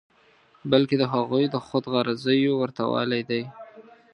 بلکې د هغوی د خود غرضیو ورته والی دی.